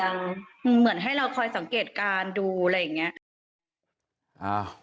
ให้เราคอยสังเกตการดูอะไรอย่างเงี้ย